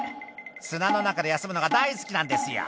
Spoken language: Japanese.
「砂の中で休むのが大好きなんですよ」